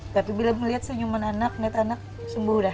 tapi bila ngeliat senyuman anak net anak sembuh dah